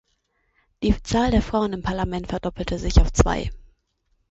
Die Zahl der Frauen im Parlament verdoppelte sich auf zwei.